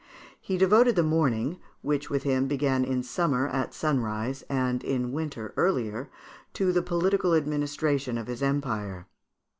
He devoted the morning, which with him began in summer at sunrise, and in winter earlier, to the political administration of his empire.